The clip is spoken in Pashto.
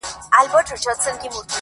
او لا ګورم چي ترټلی د بادار یم٫